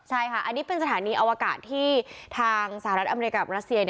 ใช่ค่ะอันนี้เป็นสถานีอวกาศที่ทางสหรัฐอเมริกับรัสเซีย